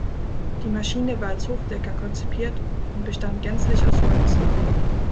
Die Maschine war als Hochdecker konzipiert und bestand gänzlich aus Holz.